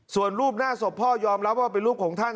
ส่วนรูปหน้าศพพ่อยอมรับว่าเป็นรูปของท่าน